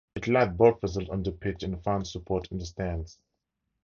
It lacked both results on the pitch and fans' support in the stands.